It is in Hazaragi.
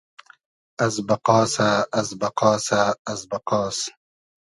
از بئقاسۂ از بئقاسۂ از بئقاس